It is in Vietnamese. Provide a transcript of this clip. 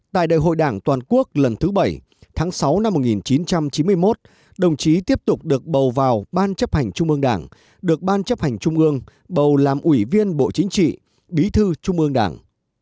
tại đại hội đảng toàn quốc lần thứ bảy tháng sáu năm một nghìn chín trăm chín mươi một đồng chí tiếp tục được bầu vào ban chấp hành trung ương đảng được ban chấp hành trung ương bầu làm ủy viên bộ chính trị bí thư trung ương đảng